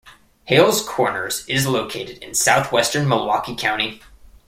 Hales Corners is located in southwestern Milwaukee County.